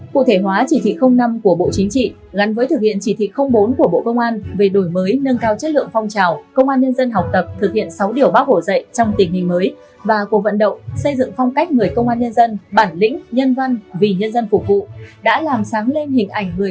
cụ thể hóa chỉ thị năm của bộ chính trị gắn với thực hiện chỉ thị bốn của bộ công an về đổi mới nâng cao chất lượng phong trào công an nhân dân học tập thực hiện sáu điều bác hồi dạy trong tình hình mới